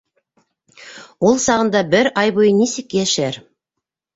Ул сағында бер ай буйы нисек йәшәр?